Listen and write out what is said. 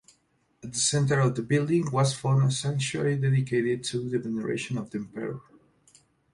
At the center of the building was found a sanctuary dedicated to the veneration of the emperor.